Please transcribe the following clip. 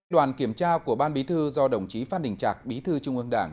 đoàn kiểm tra của ban bí thư do đồng chí phan đình trạc bí thư trung ương đảng